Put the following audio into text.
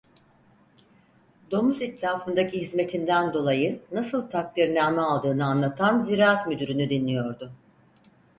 Domuz itlafındaki hizmetinden dolayı nasıl takdirname aldığını anlatan ziraat müdürünü dinliyordu.